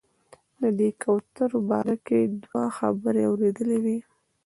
د دې کوترو باره کې دوه خبرې اورېدلې وې.